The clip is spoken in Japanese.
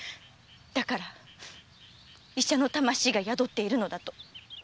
だから医者の魂が宿っているのだと！